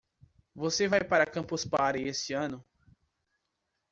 Você vai para a Campus Party esse ano?